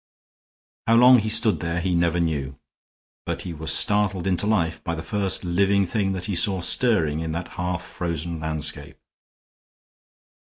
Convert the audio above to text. How long he stood there he never knew, but he was startled into life by the first living thing that he saw stirring in that half frozen landscape.